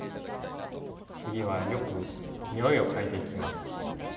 次はよく匂いを嗅いでいきます。